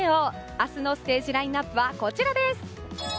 明日のステージラインアップはこちらです。